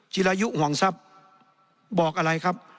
จิรายุห่วงทรัพย์บอกอะไรครับ